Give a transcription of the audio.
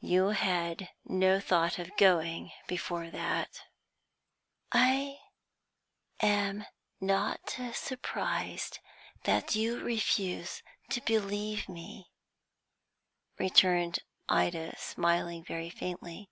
"You had no thought of going before that." "I am not surprised that you refuse to believe me," returned Ida, smiling very faintly.